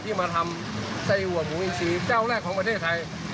มาทำไส้อัวหมูอินซีเจ้าแรกของประเทศไทย